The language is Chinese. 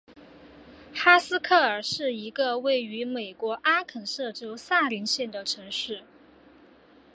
哈斯克尔是一个位于美国阿肯色州萨林县的城市。